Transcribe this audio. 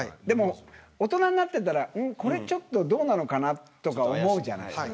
でも、大人になってたらこれ、ちょっとどうなのかなって思うじゃない。